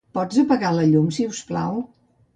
Pots apagar la llum, siusplau?